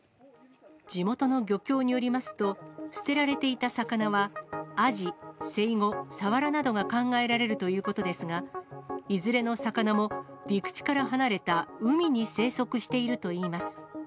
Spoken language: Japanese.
地元の漁協によりますと、捨てられていた魚は、アジ、セイゴ、サワラなどが考えられるということですが、いずれの魚も、陸地から離れた海に生息しているといいます。